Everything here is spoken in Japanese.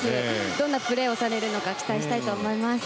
どんなプレーをされるのか期待したいと思います。